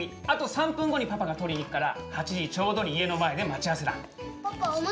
あと３分後にパパが取りに行くから８時ちょうどに家の前で待ち合わせだ。